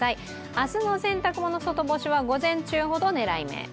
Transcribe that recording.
明日の洗濯物、外干しは午前中ほど狙い目。